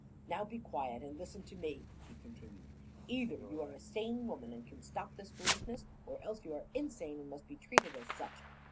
"Now, be quiet and listen to me," he continued. "Either you are a sane woman and can stop this foolishness, or else you are insane and must be treated as such.